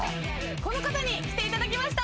この方に来ていただきました。